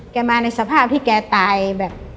มาในสภาพที่แกตายแบบ